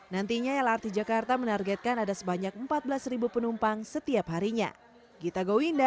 nantinya lrt jakarta menargetkan ada sebanyak empat belas penumpang setiap harinya